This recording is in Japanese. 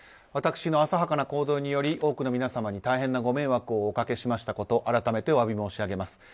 私の浅はかな行動により多くの皆様に大変なご迷惑をおかけしましたこと改めてお詫び申し上げます。